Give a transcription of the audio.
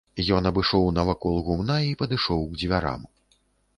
Ён абышоў навакол гумна і падышоў к дзвярам.